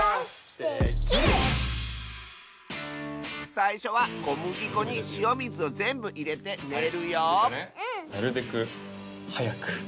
さいしょはこむぎこにしおみずをぜんぶいれてねるよなるべくはやく。